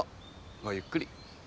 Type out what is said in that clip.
ごゆっくり。